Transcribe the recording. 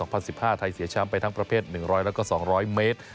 ไทยเสียช้ำไปทั้งประเพศ๑๐๐และ๒๐๐เมตร